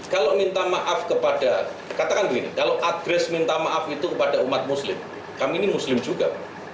kalau minta maaf kepada katakan begini kalau adres minta maaf itu kepada umat muslim kami ini muslim juga